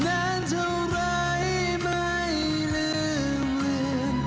นานเท่าไรไม่ลืม